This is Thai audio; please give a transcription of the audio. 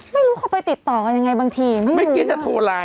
ไม่รู้เขาไปติดต่อกันยังไงบางทีไม่รู้เมื่อกี้จะโทรไลน์